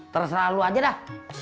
terus lah lu aja dah